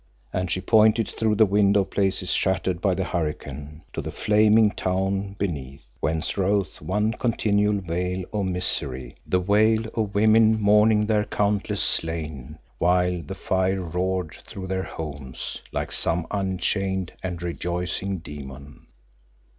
and she pointed through the window places shattered by the hurricane, to the flaming town beneath, whence rose one continual wail of misery, the wail of women mourning their countless slain while the fire roared through their homes like some unchained and rejoicing demon.